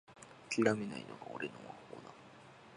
あきらめないのが俺の魔法だ